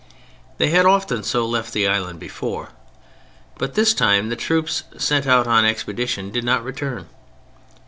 They had often so left the island before. But this time the troops sent out on expedition did not return.